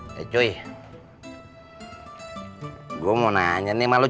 terima kasih ya